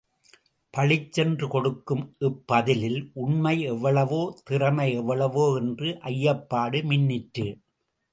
பளிச்சென்று கொடுக்கும் இப்பதிலில், உண்மை எவ்வளவோ, திறமை எவ்வளவோ என்ற ஐயப்பாடு மின்னிற்று.